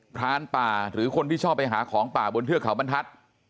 รานป่าหรือคนที่ชอบไปหาของป่าบนเทือกเขาบรรทัศน์